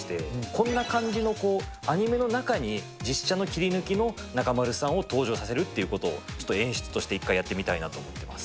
こんな感じのこう、アニメの中に実写の切り抜きの中丸さんを登場させるってことを、ちょっと演出として一回やってみたいなと思ってます。